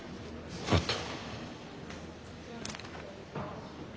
分かった。